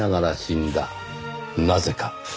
なぜか？